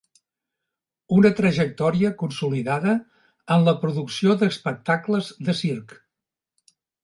Una trajectòria consolidada en la producció d'espectacles de circ.